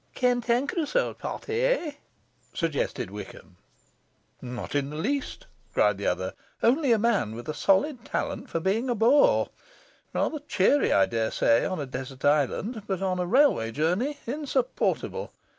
'Cantankerous old party, eh?' suggested Wickham. 'Not in the least,' cried the other; 'only a man with a solid talent for being a bore; rather cheery I dare say, on a desert island, but on a railway journey insupportable.